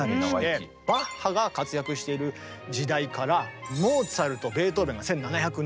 バッハが活躍している時代からモーツァルトベートーベンが１７００年代。